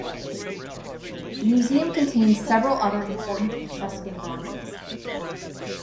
The Museum contains several other important Etruscan bronzes.